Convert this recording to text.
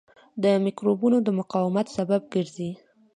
د مکروبونو د مقاومت سبب ګرځي.